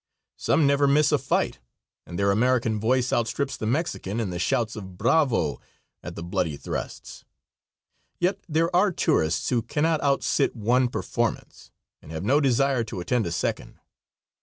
Some never miss a fight, and their American voice outstrips the Mexican in the shouts of "bravo" at the bloody thrusts. Yet there are tourists who cannot outsit one performance, and have no desire to attend a second.